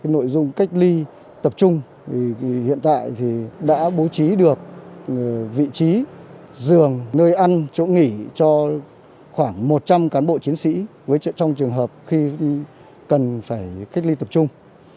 nội dung cách ly tập trung hiện tại đã bố trí được vị trí giường nơi ăn chỗ nghỉ cho khoảng một trăm linh cán bộ chiến sĩ trong trường hợp khi cần phải cách ly tập trung